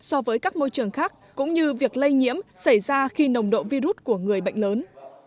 so với các môi trường khác cũng như việc lây nhiễm xảy ra khi nồng độ virus của người bệnh lớn